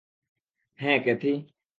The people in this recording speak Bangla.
হ্যাঁ, ক্যাথি।